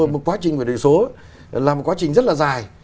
một quá trình chuyển đổi số là một quá trình rất là dài